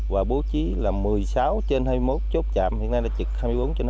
và bố trí là một mươi sáu trên hai mươi một chốt chạm hiện nay là trực hai mươi bốn trên hai mươi